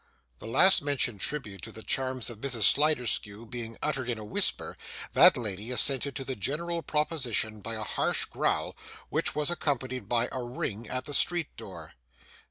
The last mentioned tribute to the charms of Mrs. Sliderskew being uttered in a whisper, that lady assented to the general proposition by a harsh growl, which was accompanied by a ring at the street door.